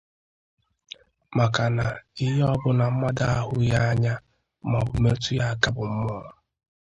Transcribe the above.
maka na ihe ọbụla mmadụ ahụghị anya maọbụ metụ ya aka bụ mmụọ